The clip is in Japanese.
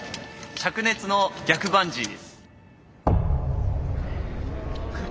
「灼熱の逆バンジー」